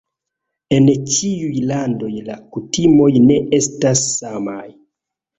En ĉiuj landoj la kutimoj ne estas samaj.